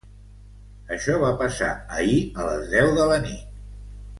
Això va passar ahir a les deu de la nit.